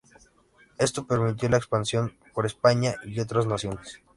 Esto permitió la expansión por España y otras naciones.